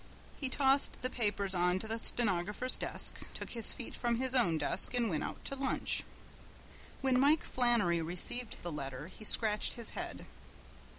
He tossed the papers on to the stenographer's desk, took his feet from his own desk and went out to lunch. When Mike Flannery received the letter he scratched his head.